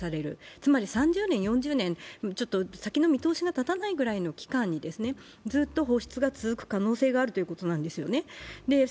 つまり３０年４０年、先の見通しが立たないくらいの期間にずっと放出が続く可能性があるということなんですね。